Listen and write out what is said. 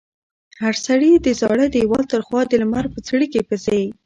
هر سړي د زاړه دېوال تر خوا د لمر په څړیکې پسې.